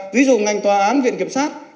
ví dụ ngành tòa án viện kiểm soát